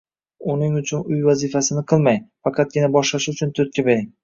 Uning uchun uy vazifasini qilmang, faqatgina boshlashi uchun turtki bering.